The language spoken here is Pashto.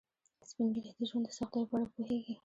سپین ږیری د ژوند د سختیو په اړه پوهیږي